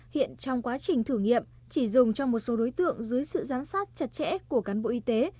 hiện trong quá trình thử nghiệm chỉ dùng cho một số đối tượng dưới sự giám sát chặt chẽ của cán bộ y tế